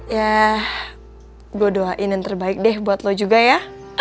ya gue doain yang terbaik deh buat lo juga ya